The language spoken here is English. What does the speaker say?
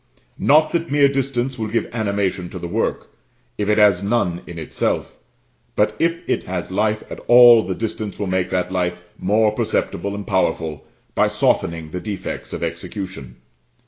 Not that mere distance will give animation to the work, if it has none in itself; but if it has life at all, the distance will make that life more perceptible and powerful by softening the defects of execution.